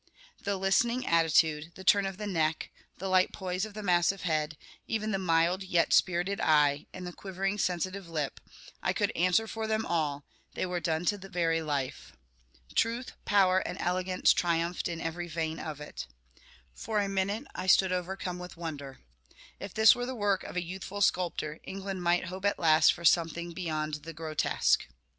The listening attitude, the turn of the neck, the light poise of the massive head, even the mild, yet spirited eye, and the quivering sensitive lip, I could answer for them all, they were done to the very life. Truth, power, and elegance triumphed in every vein of it. For a minute I stood overcome with wonder. If this were the work of a youthful sculptor, England might hope at last for something beyond the grotesque.